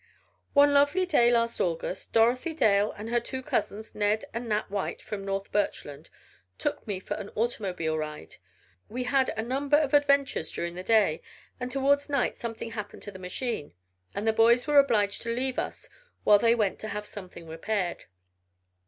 "One lovely day last August, Dorothy Dale and her two cousins, Ned and Nat White from North Birchland, took me for an automobile ride. We had a number of adventures during the day and towards night something happened to the machine, and the boys were obliged to leave us while they went to have something repaired.